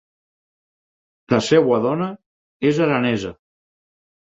La seva dona és aranesa.